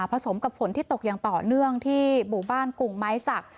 ผสมกับฝนที่ตกอย่างต่อเนื่องที่บกรุงไม้สัก